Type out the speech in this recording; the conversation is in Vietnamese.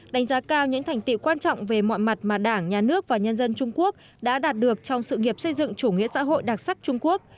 đánh giá cao những thành tiệu quan trọng về mọi mặt mà đảng nhà nước và nhân dân trung quốc đã đạt được trong sự nghiệp xây dựng chủ nghĩa xã hội đặc sắc trung quốc